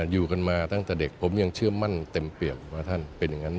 อยู่กันมาตั้งแต่เด็กผมยังเชื่อมั่นเต็มเปี่ยมว่าท่านเป็นอย่างนั้น